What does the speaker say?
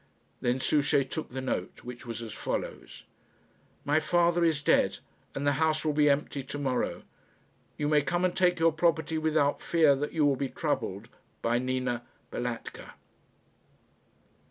Then Souchey took the note, which was as follows: My father is dead, and the house will be empty to morrow. You may come and take your property without fear that you will be troubled by NINA BALATKA.